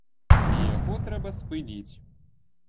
І яго трэба спыніць.